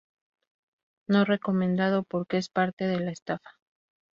No recomendado por que es parte de la estafa.